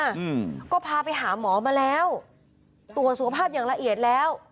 อืมก็พาไปหาหมอมาแล้วตรวจสุขภาพอย่างละเอียดแล้ว